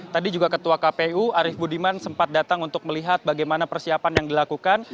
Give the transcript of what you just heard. tadi juga ketua kpu arief budiman sempat datang untuk melihat bagaimana persiapan yang dilakukan